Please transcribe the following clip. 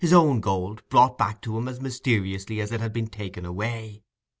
—his own gold—brought back to him as mysteriously as it had been taken away!